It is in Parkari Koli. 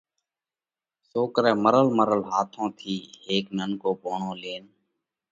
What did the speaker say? سوڪرئہ مرل مرل هاٿون ٿِي هيڪ ننڪو پوڻو لينَ